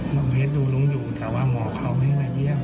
น้องเพลสดูรุ้งอยู่แต่ว่าหมอเขาไม่ได้เยี่ยม